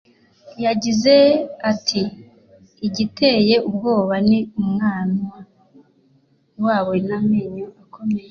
yagize ati “ Igiteye ubwoba ni umunwa wayo n’amenyo akomeye